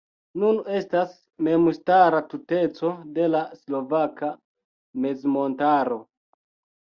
Nun estas memstara tuteco de la Slovaka Mezmontaro.